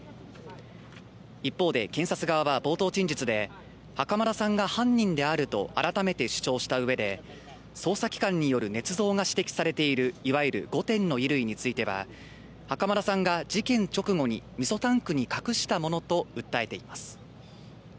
一方で検察側は冒頭陳述で袴田さんが犯人であると改めて主張したうえで捜査機関によるねつ造が指摘されているいわゆる５点の衣類については、袴田さんが事件直後にみそタンクに隠したものと訴えています。